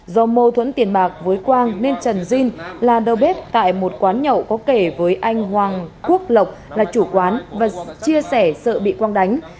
do mâu thuẫn tiền bạc với quang nên trần jin là đầu bếp tại một quán nhậu có kể với anh hoàng quốc lộc là chủ quán và chia sẻ sợ bị quang đánh